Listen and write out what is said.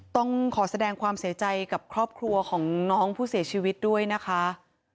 ต้องขอแสดงความเสียใจกับครอบครัวของน้องผู้เสียชีวิตด้วยนะคะ